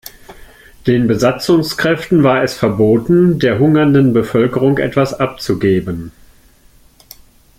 Den Besatzungskräften war es verboten, der hungernden Bevölkerung etwas abzugeben.